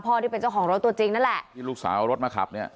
ที่เป็นเจ้าของรถตัวจริงนั่นแหละที่ลูกสาวเอารถมาขับเนี่ย